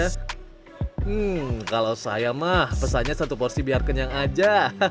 hmm kalau saya mah pesannya satu porsi biar kenyang aja